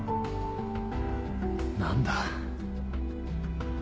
何だ？